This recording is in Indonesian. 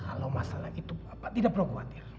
kalau masalah itu apa tidak perlu khawatir